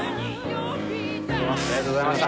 ありがとうございます。